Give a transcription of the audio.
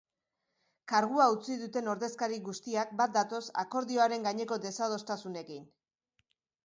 Kargua utzi duten ordezkari guztiak bat datoz akordioaren gaineko desadostasunekin.